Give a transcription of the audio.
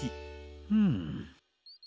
うん。